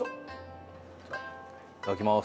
いただきます。